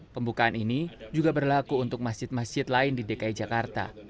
pembukaan ini juga berlaku untuk masjid masjid lain di dki jakarta